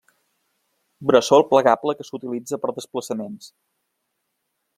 Bressol plegable que s'utilitza per a desplaçaments.